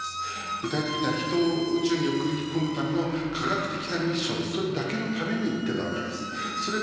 具体的には人を宇宙に送り込むために科学的なミッション、それだけのために行っていました。